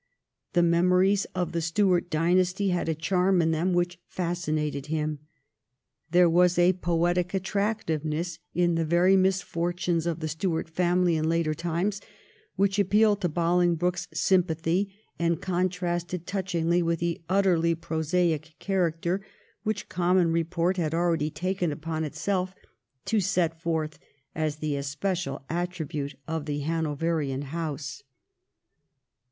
The memories of the Stuart dynasty had a charm in them which fascinated him. There was a poetic attractiveness in the very mis fortunes of the Stuart family in later times which appealed to Bolingbroke's sympathy, and contrasted touchingly with the utterly prosaic character which common report had already taken upon itself to set forth as the especial attribute of the Hanoverian House.